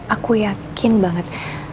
aku yakin banget